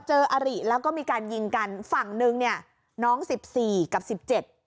อาริแล้วก็มีการยิงกันฝั่งหนึ่งเนี่ยน้องสิบสี่กับสิบเจ็ด